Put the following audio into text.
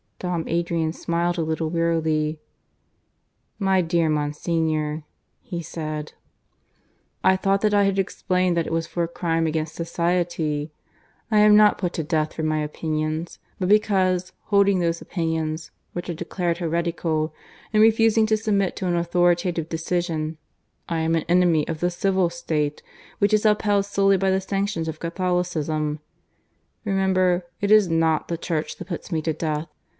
..." Dom Adrian smiled a little wearily. "My dear Monsignor," he said, "I thought I had explained that it was for a crime against society. I am not put to death for my opinions; but because, holding those opinions, which are declared heretical, and refusing to submit to an authoritative decision, I am an enemy of the civil state which is upheld solely by the sanctions of Catholicism. Remember it is not the Church that puts me to death.